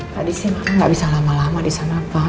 tadi sih mama gak bisa lama lama disana pak